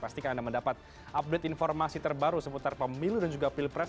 pastikan anda mendapat update informasi terbaru seputar pemilu dan juga pilpres